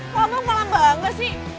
wah bang malah bangga sih